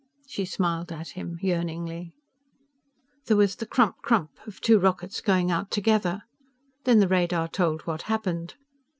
She smiled at him, yearningly. There was the crump crump of two rockets going out together. Then the radar told what happened.